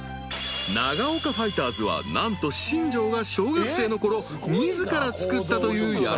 ［長丘ファイターズは何と新庄が小学生のころ自ら作ったという野球チーム］